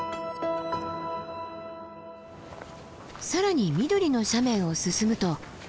更に緑の斜面を進むと。